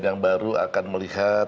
yang baru akan melihat